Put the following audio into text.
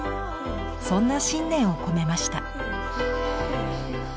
そんな信念を込めました。